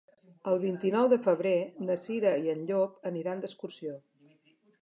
El vint-i-nou de febrer na Cira i en Llop aniran d'excursió.